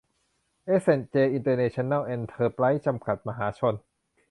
เอส แอนด์ เจ อินเตอร์เนชั่นแนล เอนเตอร์ไพรส์ จำกัด มหาชน